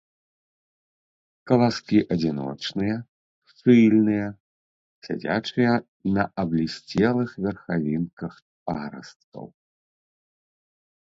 Каласкі адзіночныя, шчыльныя, сядзячыя, на аблісцелых верхавінках парасткаў.